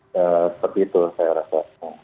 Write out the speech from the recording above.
seperti itu saya rasa